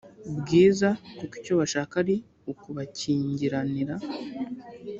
bwiza kuko icyo bashaka ari ukubakingiranira